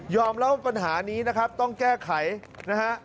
เล่าว่าปัญหานี้นะครับต้องแก้ไขนะฮะ